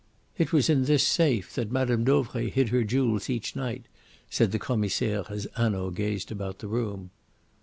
"It was in this safe that Madame Dauvray hid her jewels each night," said the Commissaire as Hanaud gazed about the room.